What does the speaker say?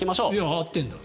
合ってるんだ。